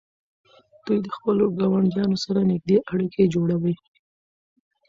دوی د خپلو ګاونډیانو سره نږدې اړیکې جوړوي.